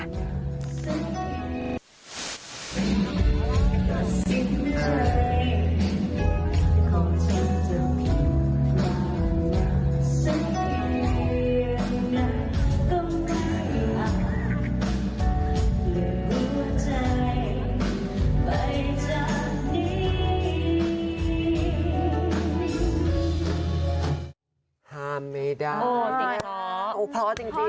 ห้ามไม่ได้โอ้จริงหรอ